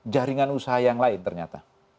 jaringan usaha yang lain ternyata